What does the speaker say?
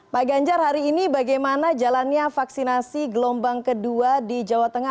pak ganjar hari ini bagaimana jalannya vaksinasi gelombang kedua di jawa tengah